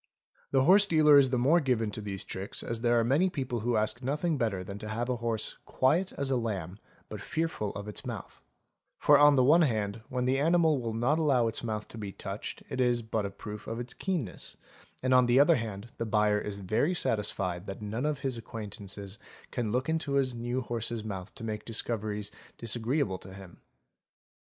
The horse dealer is the more given to these tricks as there are many people who ask nothing better than to have a horse "quiet as a lamb but fearful of its mouth "'; for on the one hand when the animal will not allow its mouth to be touched it is but a proof of its keenness, and on the other hand, the buyer is very satisfied that none of his acquaintances can look into his new horse's mouth to make discoveries disagreeable to him.